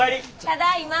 ただいま。